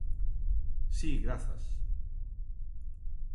Si, grazas.